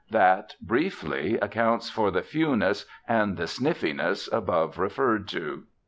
That, briefly, accounts for the fewness and the sniffiness above referred to.